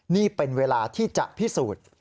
นี่เป็นเวลาที่จะพิสูจน์